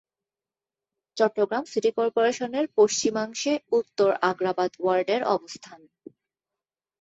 Chittagong city কর্পোরেশনের পশ্চিমাংশে উত্তর আগ্রাবাদ ওয়ার্ডের অবস্থান।